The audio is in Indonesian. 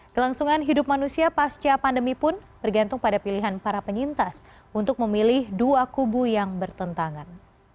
kelangsungan hidup manusia pasca pandemi pun bergantung pada pilihan para penyintas untuk memilih dua kubu yang bertentangan